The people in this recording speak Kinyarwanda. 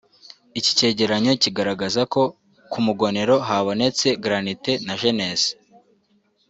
Iki cyegeranyo kigaragaza ko ku Mugonero habonetse Granite na Gneiss